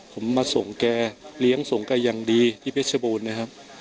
ผมมาส่งแกเลี้ยงส่งแกอย่างดีที่เพชรบูรณ์นะครับ